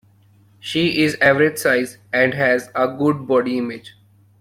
She is average size and has a good body image.